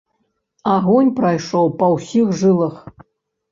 Агонь прайшоў па ўсіх жылах.